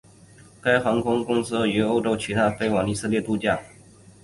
该航空公司运营从欧洲其他国家和以色列出发飞往克罗地亚度假胜地的航线。